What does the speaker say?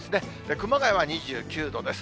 熊谷は２９度です。